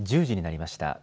１０時になりました。